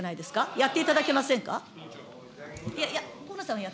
やっていただけませんか。